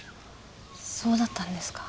そうだったんですか。